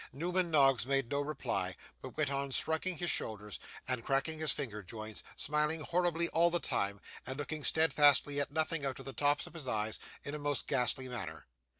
Newman Noggs made no reply, but went on shrugging his shoulders and cracking his finger joints; smiling horribly all the time, and looking steadfastly at nothing, out of the tops of his eyes, in a most ghastly manner.